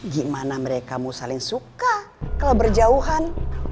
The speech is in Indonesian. gimana mereka mau saling suka kalau berjauhan